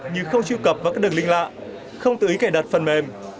như không trụ cập vào các đường linh lạ không tự ý cài đặt phần mềm